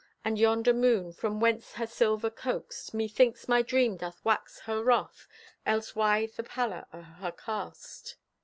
And yonder moon, from whence her silver coaxed? Methinks my dream doth wax her wroth, Else why the pallor o'er her cast?